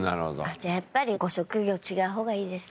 じゃあやっぱりご職業違う方がいいですね。